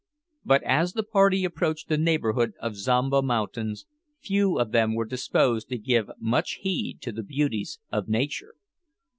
But as the party approached the neighbourhood of Zomba mountains, few of them were disposed to give much heed to the beauties of nature.